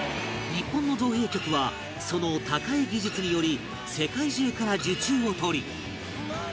日本の造幣局はその高い技術により世界中から受注を取り